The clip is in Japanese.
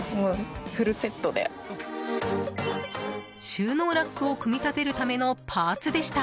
収納ラックを組み立てるためのパーツでした。